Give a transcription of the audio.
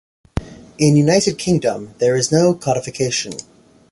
In United Kingdom there is no codification.